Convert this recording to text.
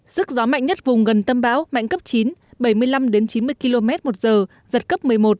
sức gió mạnh nhất vùng gần tâm bão mạnh cấp chín bảy mươi năm chín mươi km một giờ giật cấp một mươi một